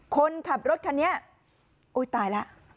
คนขับรถคันนี้อุ้ยตายแล้ว